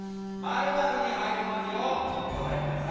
○○に入る文字をおこたえください。